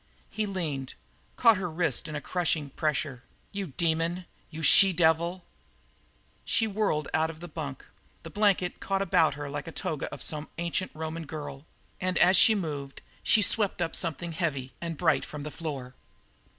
He leaned, caught her wrist in a crushing pressure. "You demon; you she devil!" She whirled out of the bunk, the blanket caught about her like the toga of some ancient Roman girl; and as she moved she had swept up something heavy and bright from the floor.